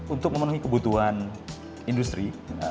untuk memenuhi kebutuhan industri